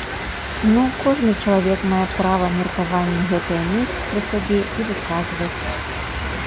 Ну, кожны чалавек мае права меркаванне гэтае мець пры сабе і выказваць.